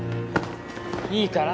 いいから！